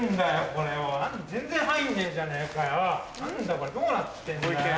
これどうなってんだよ。